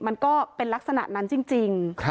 มันก็เป็นลักษณะนั้นจริง